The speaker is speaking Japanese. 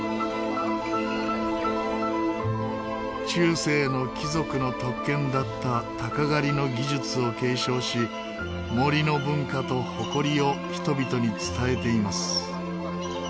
中世の貴族の特権だった鷹狩りの技術を継承し森の文化と誇りを人々に伝えています。